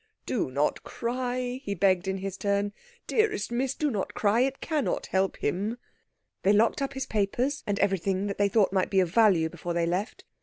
"Do not cry," he begged in his turn, "dearest Miss, do not cry it cannot help him." They locked up his papers and everything that they thought might be of value before they left.